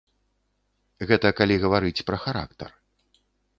Гэта калі гаварыць пра характар.